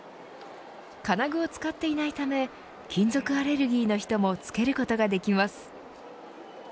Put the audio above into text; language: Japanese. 金具を使っていないため金属アレルギーの人もつけることができます。